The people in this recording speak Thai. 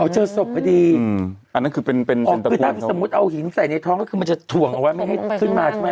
เจอศพพอดีอันนั้นคือเป็นเป็นคือถ้าสมมุติเอาหินใส่ในท้องก็คือมันจะถ่วงเอาไว้ไม่ให้ขึ้นมาใช่ไหม